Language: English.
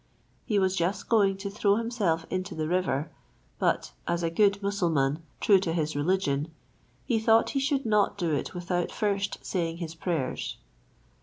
He was just going to throw himself into the river, but, as a good Moosulmaun, true to his religion, he thought he should not do it without first saying his prayers.